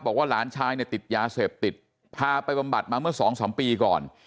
บอกว่าหลานชายเนี่ยติดยาเสพติดพาไปบำบัดมาเมื่อสองสามปีก่อน